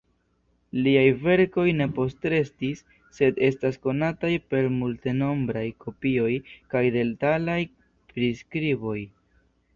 Liaj verkoj ne postrestis, sed estas konataj per multenombraj kopioj kaj detalaj priskriboj.